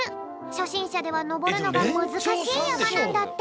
しゃではのぼるのがむずかしいやまなんだって。